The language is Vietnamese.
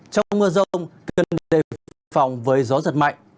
trong mưa rông cơn đêm đầy phòng với gió giật mạnh